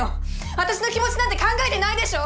私の気持ちなんて考えてないでしょ！